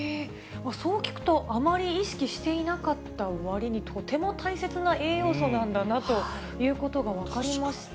そう聞くと、あまり意識していなかったわりに、とても大切な栄養素なんだなということが分かりました。